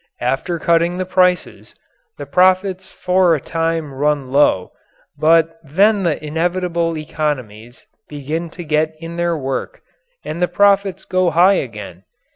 After cutting the prices, the profits for a time run low, but then the inevitable economies begin to get in their work and the profits go high again.